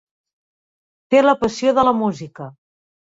Té la passió de la música.